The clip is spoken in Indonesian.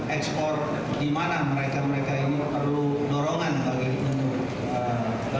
ekspor di mana mereka mereka ini perlu dorongan bagi tubuh